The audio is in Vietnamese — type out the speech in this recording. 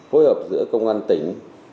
phối hợp giữa công an tỉnh